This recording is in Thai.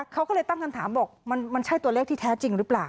เขาก็เลยตั้งคำถามบอกมันใช่ตัวเลขที่แท้จริงหรือเปล่า